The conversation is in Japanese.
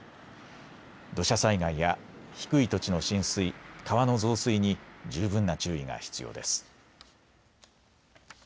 土砂災害や低い土地の浸水、川の増水に十分な注意が必要です。